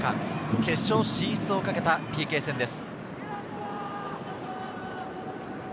決勝進出を懸けたＰＫ戦です。